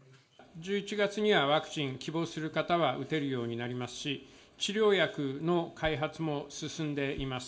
１１月にはワクチン、希望する方は打てるようになりますし、治療薬の開発も進んでいます。